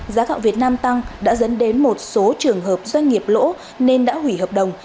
giá gạo việt nam tăng đã dẫn đến một số trường hợp doanh nghiệp lỗ nên đã hủy hợp đồng